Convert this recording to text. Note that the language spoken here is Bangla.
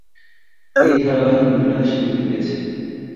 এই ধারাবাহিক বিভিন্ন দেশে মুক্তি পেয়েছে।